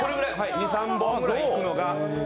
２３本くらいいくのが。